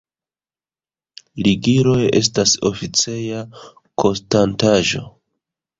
Ligiloj estas oficeja konstantaĵo.